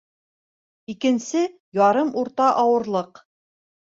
Икенсе ярым урта ауырлыҡ